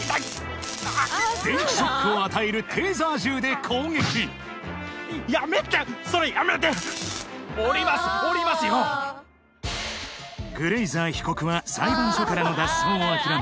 電気ショックを与えるテーザー銃で攻撃グレイザー被告は裁判所からの脱走を諦め